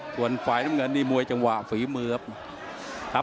ส่วนฝ่ายน้ำเงินนี่มวยจังหวะฝีมือครับ